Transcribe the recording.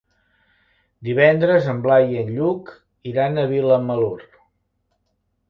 Divendres en Blai i en Lluc iran a Vilamalur.